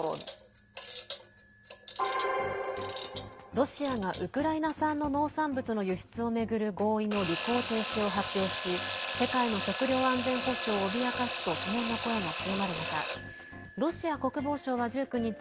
ロシアがウクライナ産の農産物の輸出を巡る合意の履行停止を発表し世界の食料安全保障を脅かすと懸念の声が強まる中ロシア国防省は１９日